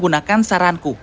kau harus menggunakan saranku